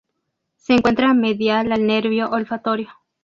Se encuentra medial al nervio olfatorio.